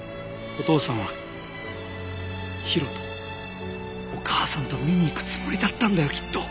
お父さんはヒロとお母さんと見に行くつもりだったんだよきっと！